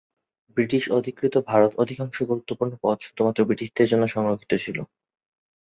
British অধিকৃত ভারতের অধিকাংশ গুরুত্বপূর্ণ পদ শুধুমাত্র ব্রিটিশদের জন্য সংরক্ষিত ছিল।